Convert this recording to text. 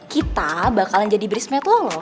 kita bakalan jadi berismet lo loh